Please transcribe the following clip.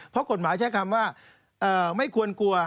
เพราะกฎหมายใช้คำว่าไม่ควรกลัว